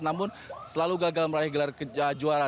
namun selalu gagal meraih gelar juara